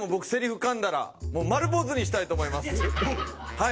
はい。